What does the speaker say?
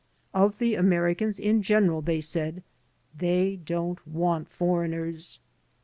Of the Americans in general they said, "They don't want foreigners."